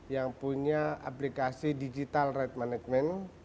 yang punya aplikasi digital red management